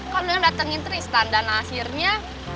kan lo yang datang ke tristan dan akhirnya